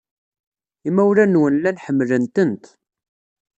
Imawlan-nwen llan ḥemmlen-tent.